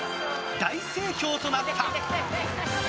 大盛況となった。